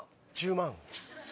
１０万。